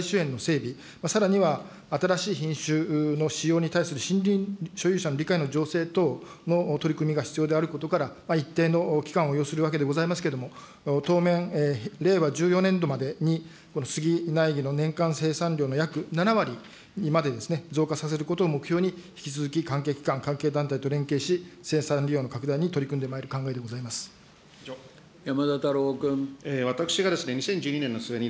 花粉の少ないスギ苗木の生産、利用拡大していくためには、品種の開発ですとか、の整備、さらには新しい品種の使用に対する森林所有者の理解の醸成等の取り組みが必要であることから、一定の期間を要するわけでございますけれども、当面、令和１４年度までにこのスギ苗木の年間生産量の約７割にまで増加させることを目標に、引き続き関係機関、関係団体と連携し、生産利用の拡大に取り組んでまいる考えでございま山田太郎君。